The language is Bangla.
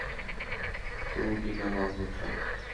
তো টিনা মালহোত্রা।